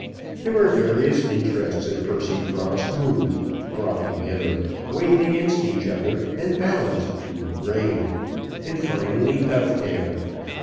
There were various interests at Percycross moved, brought together, weighed against each other, and balanced to a grain, and finally dovetailed.